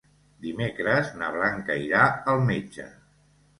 Dimecres na Blanca irà al metge.